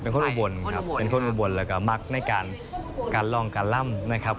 แมนครับเป็นคนอุบวนมากในการการรองการภัยรำนะครับ